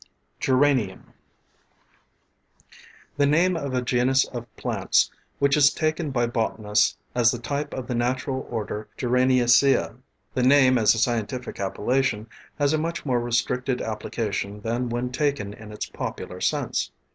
GERANIUM, the name of a genus of plants, which is taken by botanists as the type of the natural order Geraniaceae. The name, as a scientific appellation, has a much more restricted application than when taken in its popular sense.